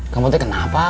kamu taunya kenapa